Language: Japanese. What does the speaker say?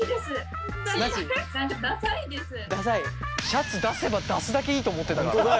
シャツ出せば出すだけいいと思ってたからね。